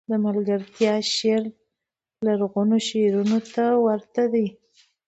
دملکیار شعر لرغونو شعرونو ته ورته دﺉ.